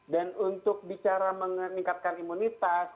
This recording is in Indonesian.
dan untuk bicara meningkatkan imunitas